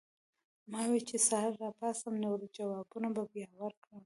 ما وې چې سحر راپاسم نور جوابونه به بیا ورکړم